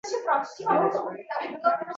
isyon qafasi